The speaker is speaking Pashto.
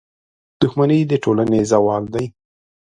• دښمني د ټولنې زوال دی.